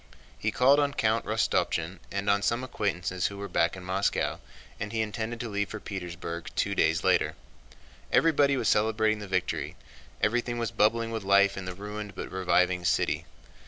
He called on Count Rostopchín and on some acquaintances who were back in Moscow, and he intended to leave for Petersburg two days later. Everybody was celebrating the victory, everything was bubbling with life in the ruined but reviving city.